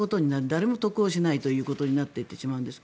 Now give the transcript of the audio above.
誰も得をしないということになっていってしまうんです。